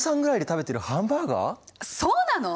そうなの？